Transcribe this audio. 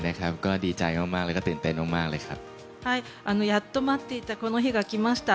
やっと待っていたこの日が来ました。